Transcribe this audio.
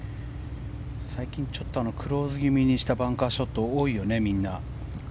最近クローズド気味にしたバンカーショット多いよね、みんな。